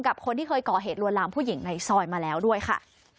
กับคนที่เคยก่อเหตุลวนลามผู้หญิงในซอยมาแล้วด้วยค่ะ